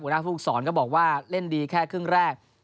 อุณหภูมิภูมิสอนก็บอกว่าเล่นดีแค่ครึ่งแรก